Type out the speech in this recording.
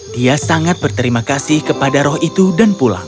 dia sangat berterima kasih kepada roh itu dan pulang